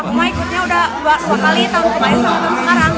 kalau waktu itu sudah dua kali tahun kemarin tahun kemarin sekarang